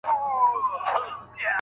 خير دی! زما روح ته، ته هم آب حيات ولېږه